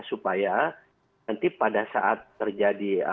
supaya nanti pada saat terjadi